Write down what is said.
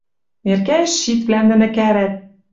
Неркӓэш щитвлӓм нӹнӹ кӓрӓт.